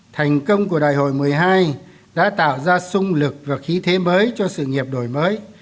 thành công của đại hội một mươi hai đã tạo ra sung lực và khí thế mới cho sự nghiệp đổi mới